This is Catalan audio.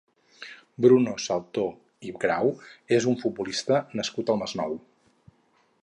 Bruno Saltor i Grau és un futbolista nascut al Masnou.